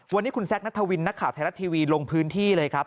วันนี้คุณแซคนัทวินนักข่าวไทยรัฐทีวีลงพื้นที่เลยครับ